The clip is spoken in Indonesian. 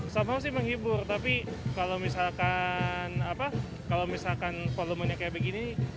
sama sih menghibur tapi kalau misalkan volumenya kayak begini